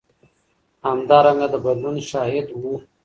همدارنګه د بدلون شاهد و.